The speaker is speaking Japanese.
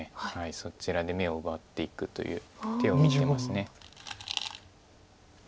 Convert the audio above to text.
そちらで眼を奪っていくという手を見てます。